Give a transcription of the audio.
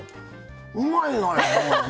うまいがな！